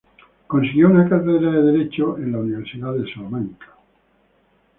Consiguió una cátedra de Derecho en la Universidad de Salamanca.